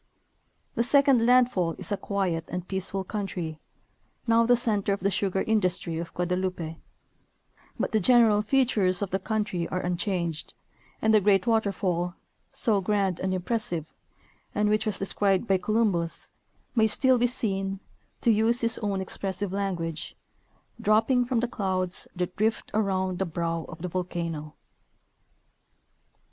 The second landfall is a quiet and peaceful country, now the center of the sugar industry of Guadeloupe, but the general features of the country are unchanged, and the great waterfall, so grand and impressive, and which was described by Colum bus, may still be seen (to use his own expressive language) "dropping from the clouds that drift around the brow of the volcano."